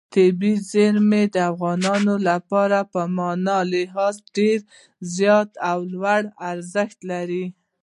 طبیعي زیرمې د افغانانو لپاره په معنوي لحاظ ډېر زیات او لوی ارزښت لري.